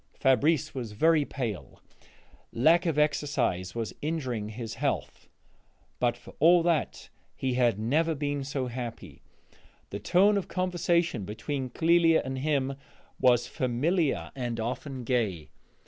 Fabrice was very pale; lack of exercise was injuring his health: but for all that he had never been so happy. The tone of the conversation between Clélia and him was familiar and often gay.